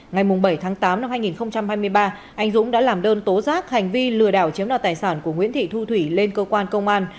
ngày bảy tháng tám năm hai nghìn hai mươi ba anh dũng đã làm đơn tố giác hành vi lừa đảo chiếm đoạt tài sản của nguyễn thị thu thủy lên cơ quan công an